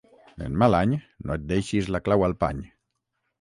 En mal any no et deixis la clau al pany.